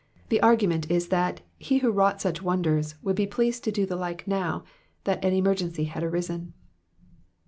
The argument is that he who wrought such wonders would be pleased to do the like now that an emergency had arisen.